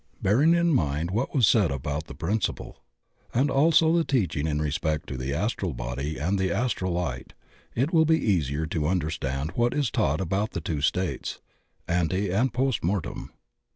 Bearing in mind what was said about that princi ple, and also the teaching in respect to the astral body and the Astral Light, it will be easier to understand what is taught about the two states, ante and post mor tem.